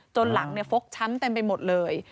จนหลังเนี่ยฟกชั้นเต็มไปหมดเลย